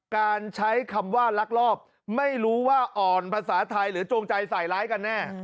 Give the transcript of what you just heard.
การใช้คำว่าลักลอบไม่รู้ว่าอ่อนภาษาไทยหรือจงใจใส่ร้ายกันแน่